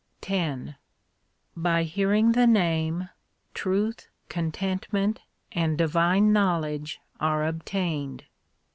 X By hearing the Name truth, contentment, and divine knowledge are obtained.